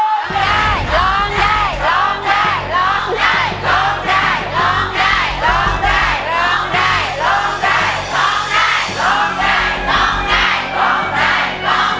เพราะเป็นเพลงเป้าหมาย